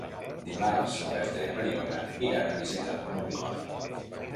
Dimarts na Berta i na Mariona iran a visitar mon oncle.